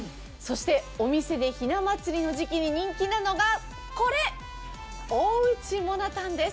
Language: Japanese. お店でひな祭りの時期に人気なのがこれ、大内もなたんです。